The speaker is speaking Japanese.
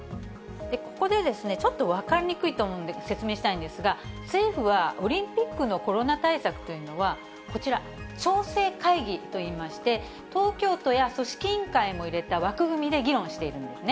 ここで、ちょっと分かりにくいと思うんで、説明したいんですが、政府はオリンピックのコロナ対策というのは、こちら、調整会議といいまして、東京都や組織委員会も入れた枠組みで議論しているんですね。